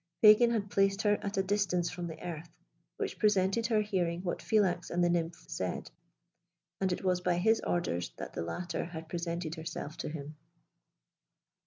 Pagan had placed her at a distance from the earth, which prevented her hearing what Philax and the nymph said; and it was by his orders that the latter had presented herself to him.